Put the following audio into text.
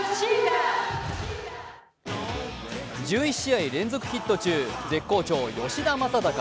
１１試合連続ヒット中、絶好調・吉田正尚。